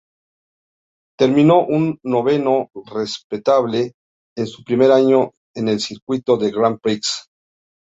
Terminó un noveno respetable en su primer año en el circuito de Grand Prix.